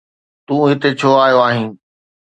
تون هتي ڇو آيو آهين؟